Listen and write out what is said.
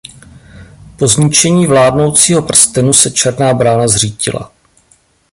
Po zničení Vládnoucího prstenu se Černá brána zřítila.